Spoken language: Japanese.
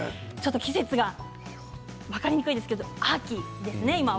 季節が分かりにくいですけど秋ですね。